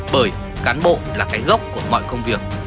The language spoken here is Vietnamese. bởi cán bộ là cái gốc của mọi công việc